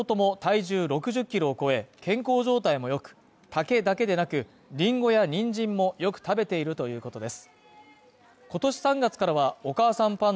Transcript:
２頭とも体重６０キロを超え、健康状態も良く、竹だけでなく、リンゴやニンジンもよく食べているということです。